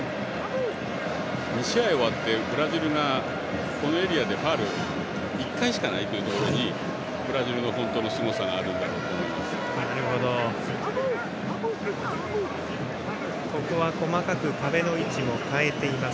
２試合終わってブラジルがこのエリアでファウルが１回しかないところにブラジルの本当のすごさがあるんだと思います。